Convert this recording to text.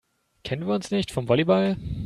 Kennen wir uns nicht vom Volleyball?